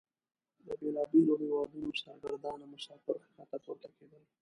د بیلابیلو هیوادونو سرګردانه مسافر ښکته پورته کیدل.